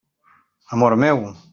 Amor meu!